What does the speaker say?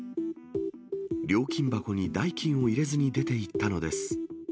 料金箱に代金を入れずに出ていったのです。